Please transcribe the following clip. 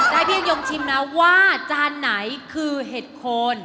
ใจเตี้ยงยุ่งชิมนะว่าจานไหนคือเห็ดขน